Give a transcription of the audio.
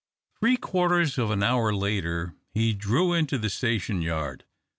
Three quarters of an hour later, he drew into the station yard.